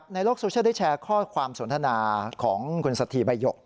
ในโลกโซเชียลได้แชร์ข้อความสนทนาของคุณสถีใบหยก